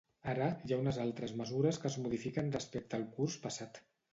Ara, hi ha unes altres mesures que es modifiquen respecte del curs passat.